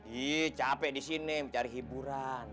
ih capek disini mencari hiburan